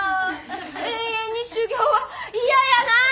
永遠に修業は嫌やなあ！